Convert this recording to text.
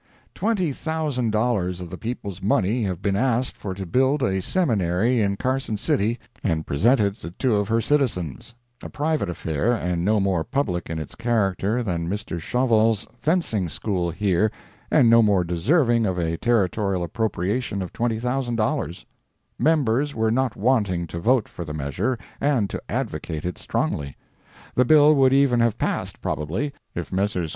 Twenty thousand dollars of the people's money have been asked for to build a seminary in Carson City and present it to two of her citizens—a private affair, and no more public in its character than Mr. Chauvel's fencing school here, and no more deserving of a Territorial appropriation of $20,000. Members were not wanting to vote for the measure, and to advocate it strongly. The bill would even have passed, probably, if Messrs.